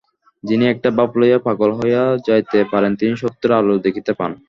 যিনি একটি ভাব লইয়া পাগল হইয়া যাইতে পারেন, তিনিই সত্যের আলো দেখিতে পান।